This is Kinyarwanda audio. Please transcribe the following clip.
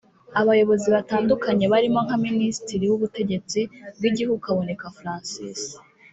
Abayobozi batandukanye barimo nka Minisitiri w’Ubutegetsi bw’Igihugu Kaboneka Francis